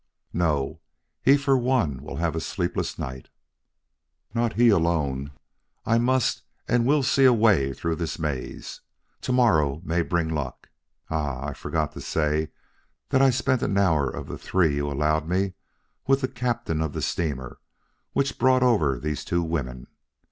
"No. He for one will have a sleepless night." "Not he alone. I must and will see a way through this maze. To morrow may bring luck. Ah, I forgot to say that I spent an hour of the three you allowed me with the captain of the steamer which brought over these two women.